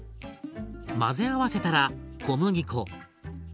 混ぜ合わせたら小麦粉。